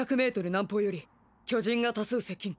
南方より巨人が多数接近。